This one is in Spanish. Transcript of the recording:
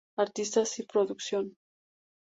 Artistas y producción